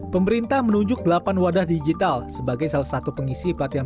pemerintah menunjuk delapan wadah digital sebagai salah satu penyelesaian